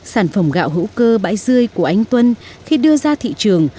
sản phẩm gạo hữu cơ bãi rươi của anh tuân khi đưa ra thị trường